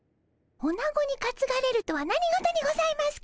おなごにかつがれるとは何事にございますか！